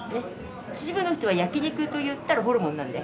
秩父の人は焼肉といったらホルモンなんで。